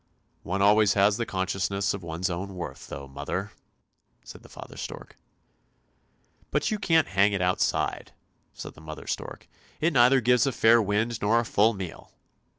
"" One always has the consciousness of one's own worth, though, mother! " said father stork. "But you can't hang it outside," said mother stork; "it neither gives a fair wind nor a full meal!